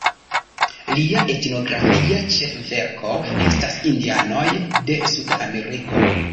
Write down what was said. Lia etnografia ĉefverko estas Indianoj de Suda Ameriko.